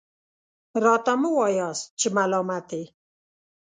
راته مه وایاست چې ملامت یې .